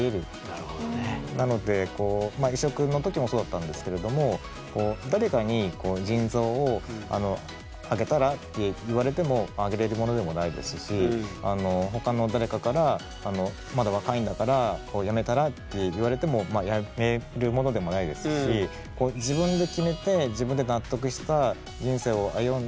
なのでこう移植の時もそうだったんですけれども誰かに「腎臓をあげたら」って言われてもあげれるものでもないですし他の誰かから「まだ若いんだからやめたら？」って言われてもやめるものでもないですしを歩んで。